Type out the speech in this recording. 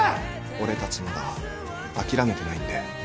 俺たちまだ諦めてないんで。